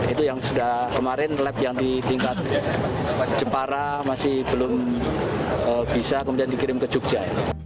itu yang sudah kemarin lab yang di tingkat jepara masih belum bisa kemudian dikirim ke jogja